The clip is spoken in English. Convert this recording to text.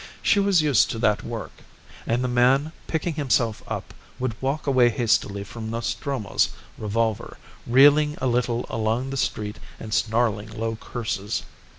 She was used to that work; and the man, picking himself up, would walk away hastily from Nostromo's revolver, reeling a little along the street and snarling low curses.